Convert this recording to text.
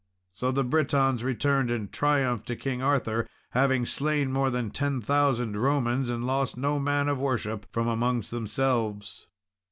So the Britons returned in triumph to King Arthur, having slain more than ten thousand Romans, and lost no man of worship from amongst themselves.